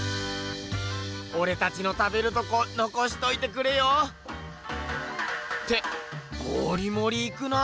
オレたちの食べるとこのこしといてくれよ。ってモリモリいくなぁ！